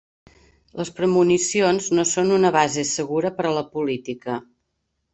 Les premonicions no són una base segura per a la política.